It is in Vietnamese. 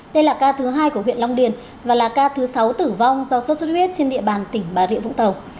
đây là ca thứ hai của huyện long điền và là ca thứ sáu tử vong do sốt xuất huyết trên địa bàn tỉnh bà rịa vũng tàu